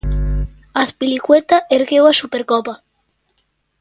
Azpilicueta ergueu a Supercopa.